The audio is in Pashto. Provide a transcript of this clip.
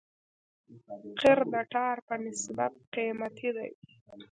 قیر د ټار په نسبت قیمتي دی